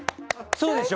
そうでしょ？